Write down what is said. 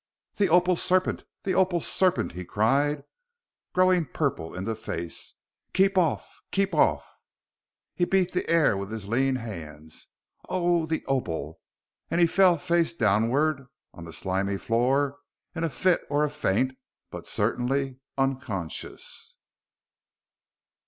"The Opal Serpent! The Opal Serpent!" he cried, growing purple in the face, "keep off! keep off!" He beat the air with his lean hands. "Oh the Opal!" and he fell face downward on the slimy floor in a fit or a faint, but certainly unconscious.